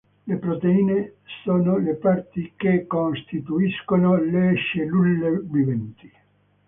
Le proteine sono le parti che costituiscono le cellule viventi.